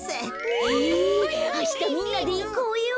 えあしたみんなでいこうよ！